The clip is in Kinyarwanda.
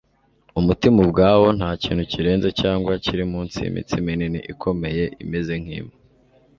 Umutima ubwawo ntakintu kirenze cyangwa kiri munsi yimitsi minini ikomeye imeze nkimpu